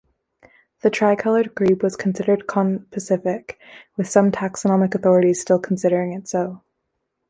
The tricolored grebe was considered conpecific, with some taxonomic authorities still considering it so.